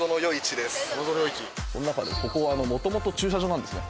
この中でここはもともと駐車場なんですね